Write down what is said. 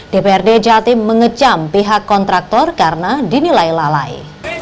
dprd jatim mengecam pihak kontraktor karena dinilai lalai